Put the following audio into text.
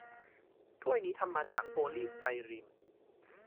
ถ้วยนี้ทำมาจากโพลีสไตรีน